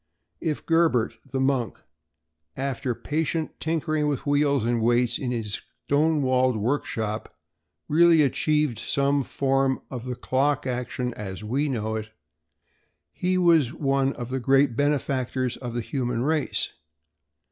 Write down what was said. If Gerbert, the monk, after patient tinkering with wheels and weights in his stone walled workshop, really achieved some form of the clock action as we know it, he was one of the great benefactors of the human race.